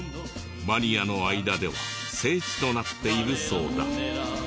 マニアの間では聖地となっているそうだ。